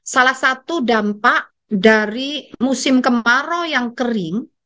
salah satu dampak dari musim kemarau yang kering